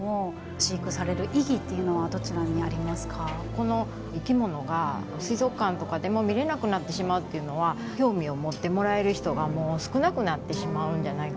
この生き物が水族館とかでも見れなくなってしまうっていうのは興味を持ってもらえる人が少なくなってしまうんじゃないかなと。